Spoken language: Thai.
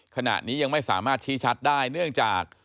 ขณะนี้ยังไม่สามารถชี้ชัดได้เนื่องจาก